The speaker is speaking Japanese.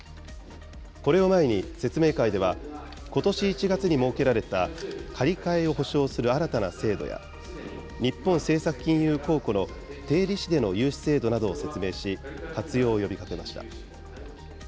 これを前に説明会では、ことし１月に設けられた、借り換えを保証する新たな制度や、日本政策金融公庫の低利子での融資制度などを説明し、活用を呼びかけました。